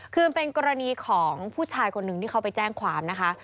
คือมันเป็นกรณีของผู้ชายคนหนึ่งที่เขาไปแจ้งความนะคะ